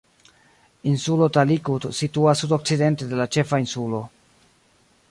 Insulo Talikud situas sudokcidente de la ĉefa insulo.